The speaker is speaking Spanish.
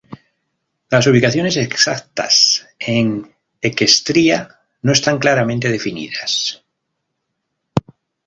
Las ubicaciones exactas en Equestria no están claramente definidas.